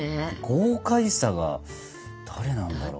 豪快さが誰なんだろう。